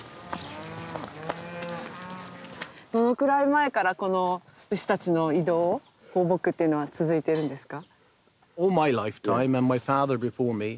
どのくらい前からこの牛たちの移動放牧っていうのは続いてるんですか？